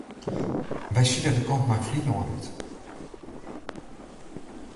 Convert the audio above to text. Wy sile de kant nei Flylân út.